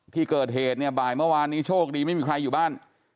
ที่เกิดเหตุเนี่ยบ่ายเมื่อวานนี้โชคดีไม่มีใครอยู่บ้าน